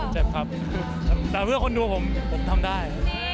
เจ็บครับแต่เพื่อคนดูผมผมทำได้